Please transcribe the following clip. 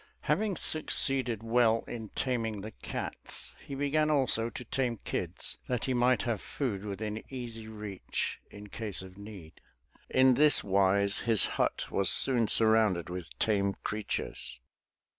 Having succeeded well in taming the cats, he began also to tame kids that he might have food within easy reach in case of need. In this wise his hut was soon surrounded with tame creatures.